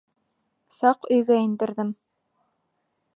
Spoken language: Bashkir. Саҡ өйгә индерҙем.